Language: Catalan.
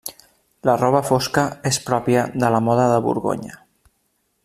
La roba fosca és pròpia de la moda de Borgonya.